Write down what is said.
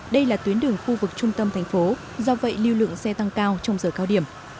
đây là tuyến đường khu vực trung tâm thành phố do vậy lưu lượng xe tăng cao trong giờ cao điểm